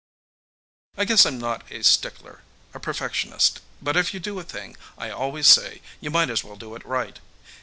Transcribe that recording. ] I guess I'm just a stickler, a perfectionist, but if you do a thing, I always say, you might as well do it right.